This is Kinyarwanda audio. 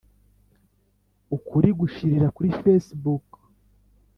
• ukuri gushirira kuri facebook